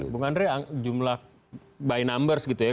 bung andre jumlah by numbers gitu ya